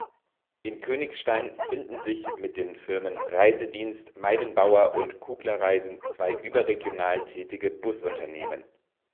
In Königstein finden sich mit den Firmen Reisedienst_Meidenbauer und Kugler-Reisen zwei überregional tätige Busunternehmen.